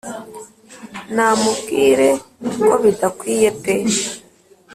namubwire ko bidakwiye pe